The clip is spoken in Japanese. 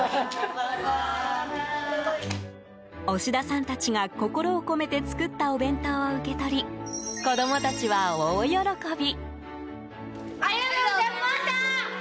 押田さんたちが心を込めて作ったお弁当を受け取り子供たちは大喜び。